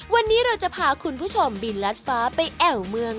วันนี้เราจะพาคุณผู้ชมบินลัดฟ้าไปแอวเมือง